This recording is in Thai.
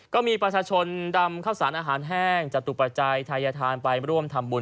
ก็มีประชาชนดำข้าวสารอาหารแห้งจตุปัจจัยทายทานไปร่วมทำบุญ